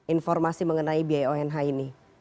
informasi mengenai biaya onh ini